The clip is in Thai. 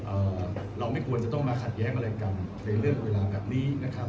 เราไม่ควรจะต้องมาขัดแย้งอะไรกันในเรื่องเวลาแบบนี้นะครับ